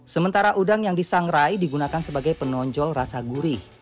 sementara udang yang disangrai digunakan sebagai penonjol rasa gurih